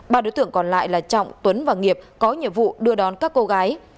ba đối tượng còn lại là trọng tuấn và nghiệp có nhiệm vụ đưa đón các cô gái